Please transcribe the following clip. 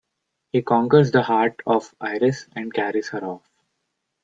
He conquers the heart of Iris and carries her off.